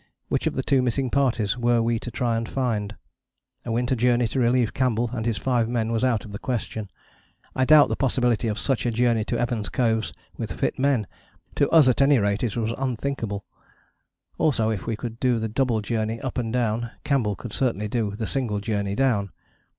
Which of the two missing parties were we to try and find? A winter journey to relieve Campbell and his five men was out of the question. I doubt the possibility of such a journey to Evans Coves with fit men: to us at any rate it was unthinkable. Also if we could do the double journey up and down, Campbell could certainly do the single journey down.